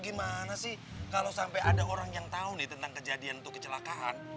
lu gimana sih kalo sampai ada orang yang tau nih tentang kejadian atau kecelakaan